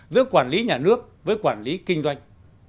giữa quản lý nhà nước với quản lý kinh doanh